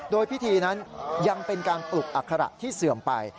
โดยพิธีนั้นยังเป็นการปลุกอัคระที่เสื่อมไป